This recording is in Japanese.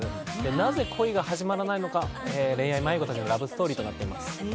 なぜ恋が始まらないのか、恋愛迷子たちのラブストーリーとなっています。